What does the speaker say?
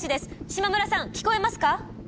島村さん聞こえますか？